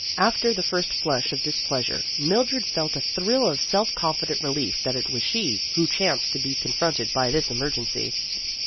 After the first flush of displeasure, Mil dred felt a thrill of self confident relief that it was she who chanced to be confronted by this emergency.